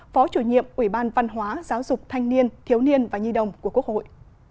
phó chủ nhiệm ủy ban văn hóa giáo dục thanh niên thiếu niên và nhi đồng của quốc hội